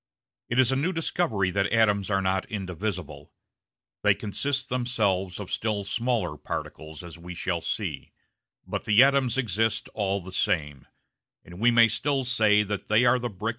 It is a new discovery that atoms are not indivisible. They consist themselves of still smaller particles, as we shall see. But the atoms exist all the same, and we may still say that they are the bricks of which the material universe is built.